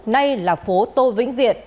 nay là phố tô vĩnh diện